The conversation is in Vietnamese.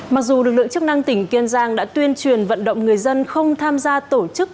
mặc dù lực lượng chức năng tỉnh kiên giang đã tuyên truyền vận động người dân không tham gia tổ chức